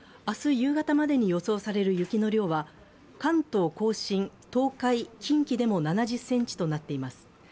明日夕方までに予想される雪の量は、関東甲信・東海・近畿でも７０ｃｍとなっています。